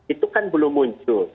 itu kan belum muncul